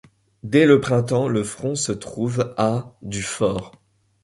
Dès le printemps, le front se trouve à du fort.